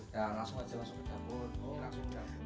ya langsung aja masuk ke dapur